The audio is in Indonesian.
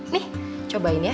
nih cobain ya